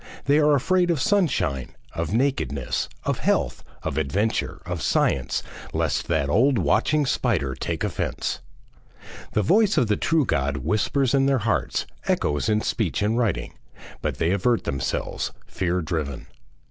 They are afraid of sunshine, of nakedness, of health, of adventure, of science, lest that old watching spider take offence. The voice of the true God whispers in their hearts, echoes in speech and writing, but they avert themselves, fear driven.